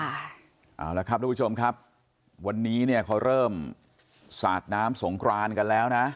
เอาละครับทุกผู้ชมครับวันนี้เนี่ยเขาเริ่มสาดน้ำสงครานกันแล้วนะ